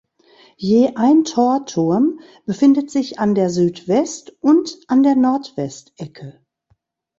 Je ein Torturm befindet sich an der Südwest- und an der Nordwestecke.